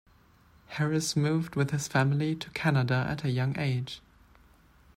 Harris moved with his family to Canada at a young age.